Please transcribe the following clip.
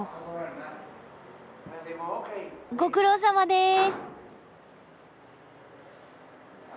ご苦労さまです。